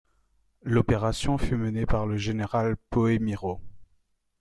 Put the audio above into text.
L'opération fut menée par le général Poeymirau.